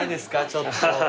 ちょっと。